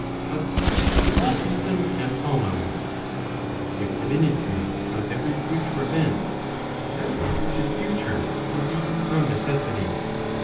But they all reason as follows : if divinity knows every future event, that which is future will be from necessity.